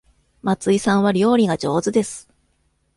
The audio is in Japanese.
松井さんは料理が上手です。